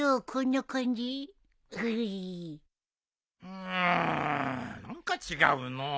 うん何か違うのう。